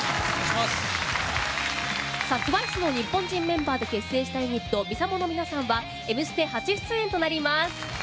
ＴＷＩＣＥの日本人メンバーで結成したユニットＭＩＳＡＭＯの皆さんは「Ｍステ」初出演となります。